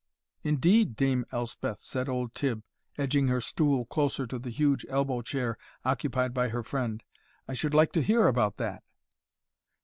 "Indeed, Dame Elspeth?" said old Tibb, edging her stool closer to the huge elbow chair occupied by her friend, "I should like to hear about that."